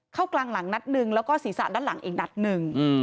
เข้ากลางหลังนัดหนึ่งแล้วก็ศีรษะด้านหลังอีกนัดหนึ่ง